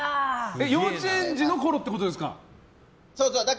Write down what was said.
幼稚園児のころってことですか。